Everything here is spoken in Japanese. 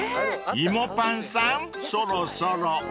［イモパンさんそろそろ］